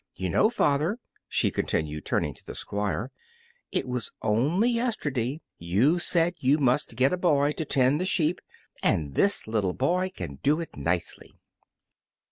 You know, father," she continued, turning to the Squire, "it was only yesterday you said you must get a boy to tend the sheep, and this little boy can do it nicely."